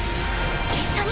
一緒に？